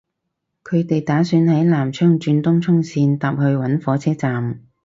佢哋打算喺南昌轉東涌綫搭去搵火車站